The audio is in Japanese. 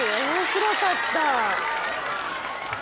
面白かった。